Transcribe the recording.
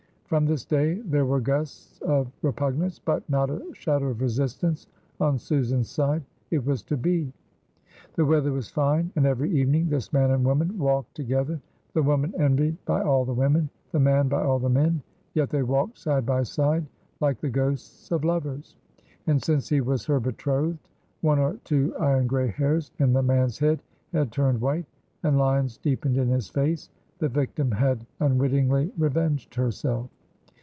From this day there were gusts of repugnance, but not a shadow of resistance on Susan's side. It was to be. The weather was fine, and every evening this man and woman walked together. The woman envied by all the women; the man by all the men. Yet they walked side by side like the ghosts of lovers. And, since he was her betrothed, one or two iron gray hairs in the man's head had turned white, and lines deepened in his face. The victim had unwittingly revenged herself.